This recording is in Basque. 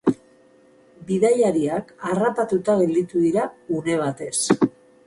Bidaiariak harrapatuta gelditu dira une batez.